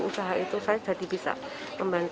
usaha itu saya jadi bisa membantu